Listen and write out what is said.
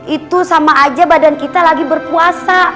itu sama aja badan kita lagi berpuasa